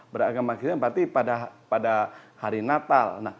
beragama kristen berarti pada hari natal